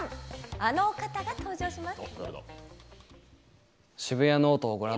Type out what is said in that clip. あの方が登場します。